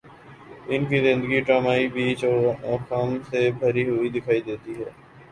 ان کی زندگی ڈرامائی پیچ و خم سے بھری ہوئی دکھائی دیتی ہے